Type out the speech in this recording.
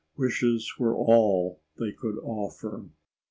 Wishes were all they could offer.